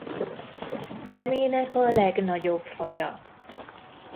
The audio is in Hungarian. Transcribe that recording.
Nemének a legnagyobb faja.